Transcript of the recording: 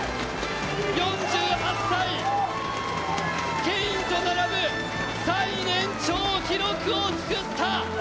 ４８歳、ケインと並ぶ最年長記録を作った。